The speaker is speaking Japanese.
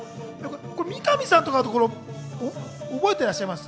三上さんとか覚えてらっしゃいます？